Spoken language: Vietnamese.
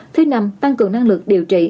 thứ bảy tăng cường năng lực điều trị